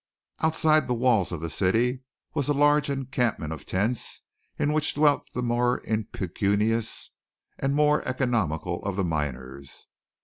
Outside the walls of the city was a large encampment of tents in which dwelt the more impecunious or more economical of the miners.